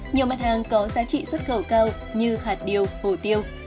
nhiều mặt hàng có giá trị xuất khẩu cao như hạt điều hồ tiêu